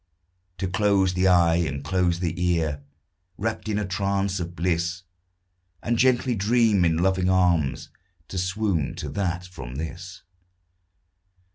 To close the eye, and close the ear, Rapt in a trance of bliss, And gently dream in loving arms To swoon to that from this.